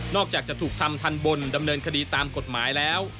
อกจากจะถูกทำทันบนดำเนินคดีตามกฎหมายแล้ว